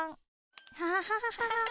アハハハハ。